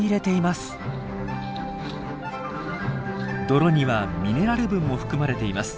泥にはミネラル分も含まれています。